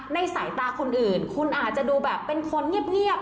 สายตาคนอื่นคุณอาจจะดูแบบเป็นคนเงียบ